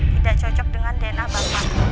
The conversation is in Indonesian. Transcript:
tidak cocok dengan dna bapak